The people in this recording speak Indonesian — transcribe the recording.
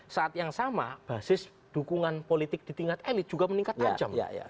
saat yang sama basis dukungan politik di tingkat elit juga meningkat tajam